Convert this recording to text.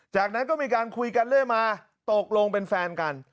จากนั้นก็มีการคุยกันเรื่อยมาตกลงเป็นแฟนกัน